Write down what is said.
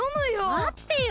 まってよ！